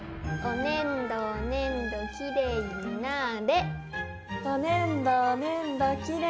おねんどおねんどきれいになれ。